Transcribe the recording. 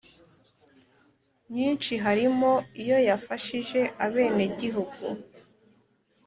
myinshi harimo iyo yafashije abenegihugu